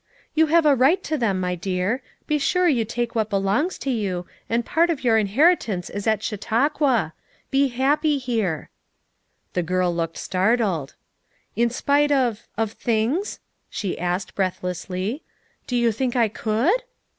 "You have a right to them, my dear; be sure you take what belongs to you, and part of your inheritance is at Chautauqua; be happy here." The girl looked startled. "In spite of — of things?" she asked breath lessly. "Do you think I could?"